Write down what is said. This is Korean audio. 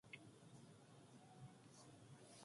하고 탄 이의 초조한 부르짖음이 간신히 그의 귀에 들어왔다.